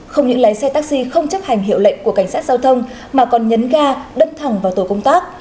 không những lái xe taxi không chấp hành hiệu lệnh của cảnh sát giao thông mà còn nhấn ga đâm thẳng vào tổ công tác